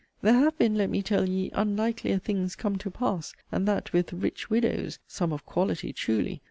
There have been (let me tell ye) 'unlikelier' things come to pass, and that with 'rich widows,' (some of 'quality' truly!)